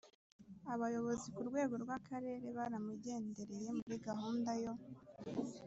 Abayobozi ku rwego rw’Akarere baramugendereye muri gahunda yo